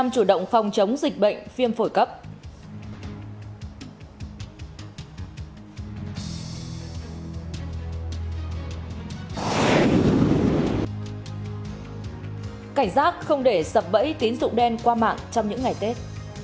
cảnh sát không để sập bẫy tín dụng đen qua mạng trong những ngày tết